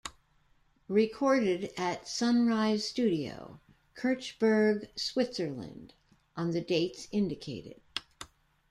Recorded at Sunrise Studio, Kirchberg, Switzerland on the dates indicated.